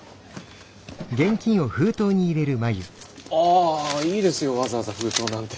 あいいですよわざわざ封筒なんて。